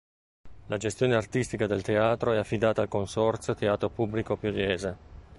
La gestione artistica del teatro è affidata al consorzio Teatro Pubblico Pugliese.